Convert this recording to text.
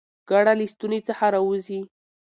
ګړه له ستوني څخه راوزي؟